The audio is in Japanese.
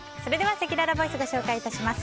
せきららボイスご紹介します。